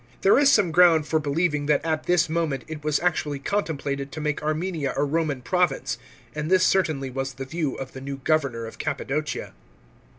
There is some ground for believing that at this moment it was actually contemplated to make Armenia a Roman province, and this certainly was the view of the new governor of Cappadocia.